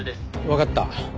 わかった。